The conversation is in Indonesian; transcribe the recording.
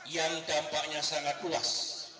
yang dampaknya sangat luas